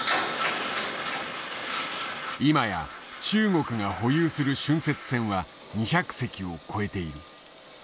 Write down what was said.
今や中国が保有する浚渫船は２００隻を超えている。